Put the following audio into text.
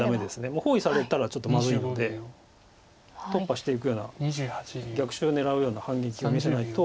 もう包囲されたらちょっとまずいので突破していくような逆襲を狙うような反撃を見せないと。